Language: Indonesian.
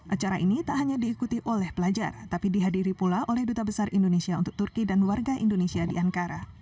acara ini tak hanya diikuti oleh pelajar tapi dihadiri pula oleh duta besar indonesia untuk turki dan warga indonesia di ankara